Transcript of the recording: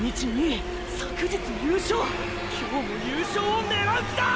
今日も優勝狙う気だ！！